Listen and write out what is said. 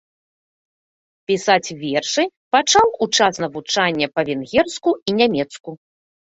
Пісаць вершы пачаў у час навучання па-венгерску і нямецку.